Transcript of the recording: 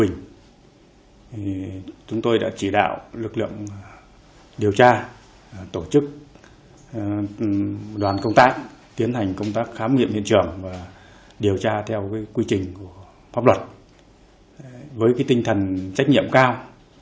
hành công tác khám nghiệm hiện trường và điều tra theo quy trình của pháp luật với tinh thần trách nhiệm cao